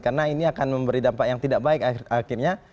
karena ini akan memberi dampak yang tidak baik akhirnya